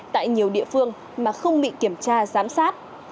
tại nhiều địa phương mà không bị kiểm tra giám sát